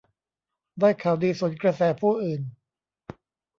ได้ข่าวดีสวนกระแสผู้อื่น